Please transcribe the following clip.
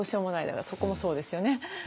だからそこもそうですよね。